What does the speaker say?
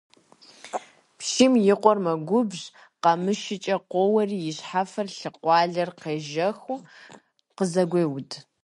Пщым и къуэр мэгубжь, къамышыкӀэ къоуэри и щхьэфэр лъы къуалэр къежэхыу къызыгуеуд.